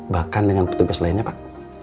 bahkan dengan petugas lainnya pak